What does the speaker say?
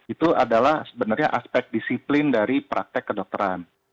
itu adalah sebenarnya aspek disiplin dari praktek kedokteran